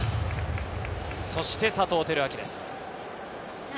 そして佐藤輝明です。